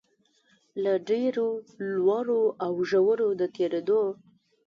په ډېرو لوړو او ژورو د تېرېدو